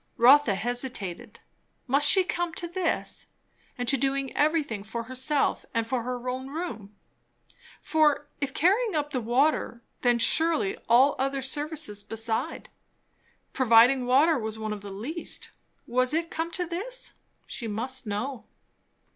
Rotha hesitated. Must she come to this? And to doing everything for herself and for her own room? For if carrying up the water, then surely all other services beside. Providing water was one of the least. Was it come to this? She must know.